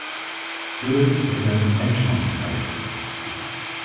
Students attend Edgemont High School.